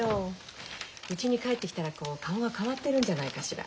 うちに帰ってきたらこう顔が変わってるんじゃないかしら。